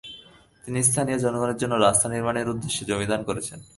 তিনি স্থানীয় জনগণের জন্য রাস্তা নির্মাণের উদ্দেশ্যে জমি দান করেছেন।